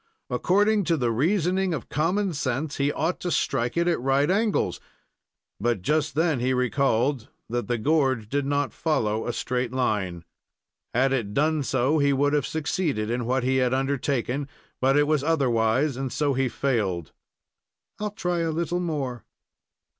According to the reasoning of common sense, he ought to strike it at right angles. But just then he recalled that the gorge did not follow a straight line. Had it done so, he would have succeeded in what he had undertaken, but it was otherwise, and so he failed. "I'll try a little more."